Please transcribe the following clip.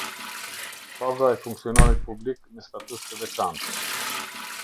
Paga e funksionarit publik me status të veçantë.